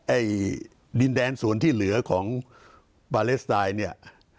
ไอ้ดินแดนส่วนที่เหลือของปาเลสไตน์เนี่ย